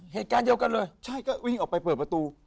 เหตุการณ์เดียวกันเลยใช่ก็วิ่งออกไปเปิดประตู